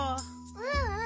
ううん。